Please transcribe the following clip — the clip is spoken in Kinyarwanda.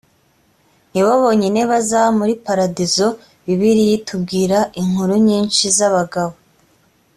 nibo bonyine bazaba muri paradizo bibiliya itubwira inkuru nyinshi z abagabo